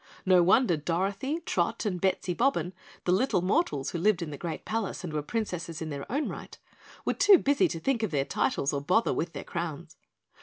No wonder Dorothy, Trot, and Bettsy Bobbin, the little mortals who lived in the great palace and were Princesses in their own right, were too busy to think of their titles or bother with their crowns.